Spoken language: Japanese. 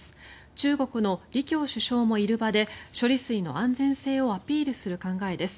中国の李強首相もいる場で処理水の安全性をアピールする考えです。